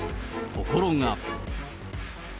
ところが。